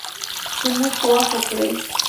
لمونځ په وخت وکړئ